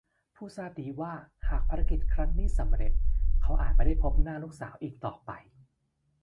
ผู้ทราบดีว่าหากภารกิจครั้งนี้สำเร็จเขาอาจไม่ได้พบหน้าลูกสาวอีกต่อไป